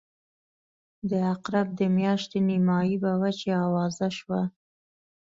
د عقرب د میاشتې نیمایي به وه چې آوازه شوه.